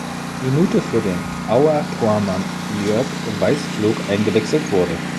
Minute für den Auer Tormann Jörg Weißflog eingewechselt wurde.